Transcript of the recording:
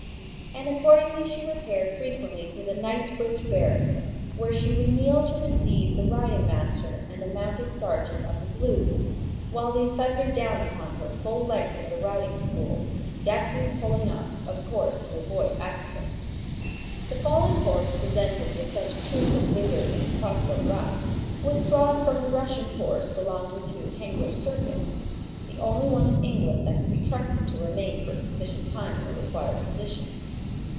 And accordingly she repaired frequently to the Knightsbridge Barracks, where she would kneel to 'receive' the riding master and a mounted sergeant of the Blues, while they thundered down upon her the full length of the riding school, deftly pulling up, of course, to avoid accident. The fallen horse presented with such truth and vigor in 'Quatre Bras' was drawn from a Russian horse belonging to Hengler's Circus, the only one in England that could be trusted to remain for a sufficient time in the required position.